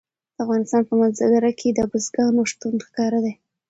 د افغانستان په منظره کې د بزګانو شتون ښکاره دی.